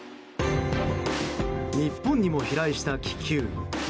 日本にも飛来した気球。